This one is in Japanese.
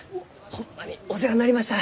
ホンマにお世話になりました！